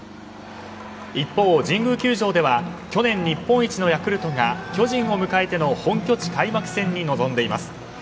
一方、神宮球場では去年日本一のヤクルトが巨人を迎えての本拠地開幕戦に臨んでいます。